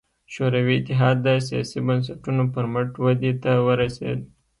شوروي اتحاد د سیاسي بنسټونو پر مټ ودې ته ورسېد.